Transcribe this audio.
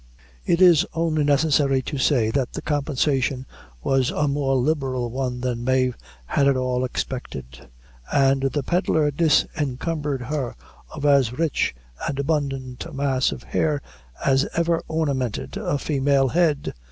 It is only necessary to say that the compensation was a more liberal one than Mave had at all expected, and the pedlar disencumbered her of as rich and abundant a mass of hair as ever ornamented a female head.